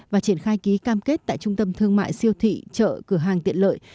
và triển khai ký cam kết tại trung tâm thương mại siêu thị chợ cửa hàng tiện lợi